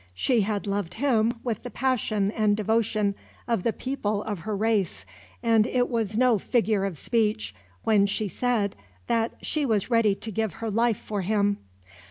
She had loved him with the passion and devotion of the people of her race, and it was no figure of speech when she said that she was ready to give her life for him.